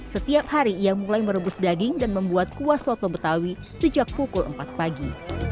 setiap hari ia mulai merebus daging dan membuat kuah soto betawi sejak pukul empat pagi